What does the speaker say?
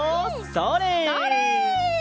それ！